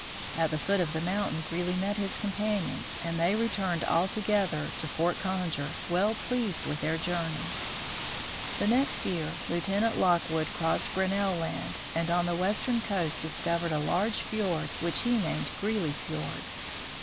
At the foot of the mountain Greely met his companions, and they re turned all together to Fort Conger, well pleased with their journey. The next year Lieutenant Lockwood crossed Grinnell land, and on the western coast discovered a large fiord which he named Greely fiord.